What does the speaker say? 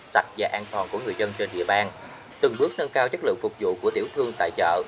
sạch và an toàn của người dân trên địa bàn từng bước nâng cao chất lượng phục vụ của tiểu thương tại chợ